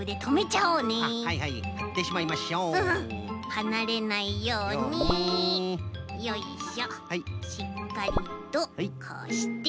はなれないようによいしょしっかりとこうして。